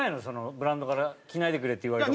ブランドから「着ないでくれ」って言われた事。